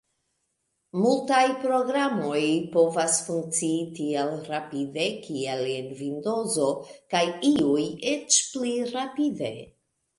Multaj programoj povas funkcii tiel rapide kiel en Vindozo, kaj iuj eĉ pli rapide.